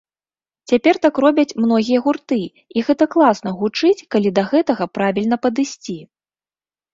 Цяпер так робяць многія гурты, і гэта класна гучыць, калі да гэтага правільна падысці.